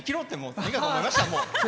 ありがとうございました、もう。